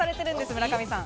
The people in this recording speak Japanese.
村上さん。